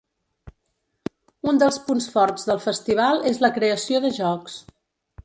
Un dels punts forts del festival és la creació de jocs.